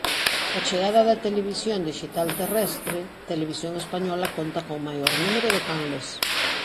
Coa chegada da Televisión Dixital Terrestre Televisión Española conta con maior número de canles.